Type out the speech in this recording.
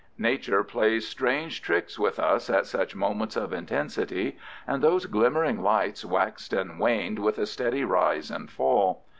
Nature plays strange tricks with us at such moments of intensity, and those glimmering lights waxed and waned with a steady rise and fall.